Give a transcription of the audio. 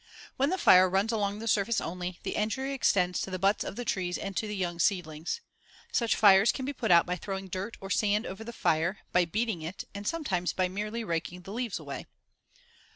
When the fire runs along the surface only, the injury extends to the butts of the trees and to the young seedlings. Such fires can be put out by throwing dirt or sand over the fire, by beating it, and, sometimes, by merely raking the leaves away.